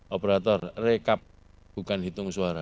operator rekap bukan hitung suara